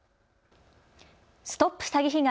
ＳＴＯＰ詐欺被害！